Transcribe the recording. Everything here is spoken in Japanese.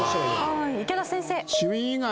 池田先生。